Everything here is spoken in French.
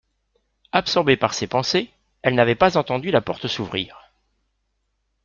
Absorbée par ses pensées, elle n’avait pas entendu la porte s’ouvrir